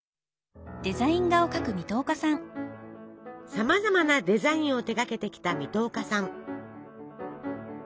さまざまなデザインを手がけてきた水戸岡さん。